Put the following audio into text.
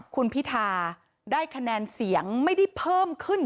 คุณพิธาได้คะแนนเสียงไม่ได้เพิ่มขึ้น